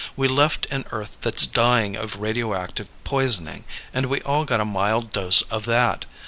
We left an Earth that's dying of radioactive poisoning, and we all got a mild dose of that.